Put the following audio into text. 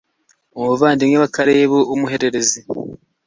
umuvandimwe wa kelebu w'umuhererezi